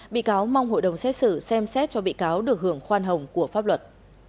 bị cáo mong hội đồng xét xử xem xét cho bị cáo được hưởng khoan hồng của pháp luật